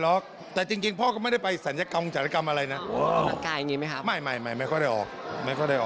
โอ้แต่พ่อก็ยังหล่อนะคุณผู้ชม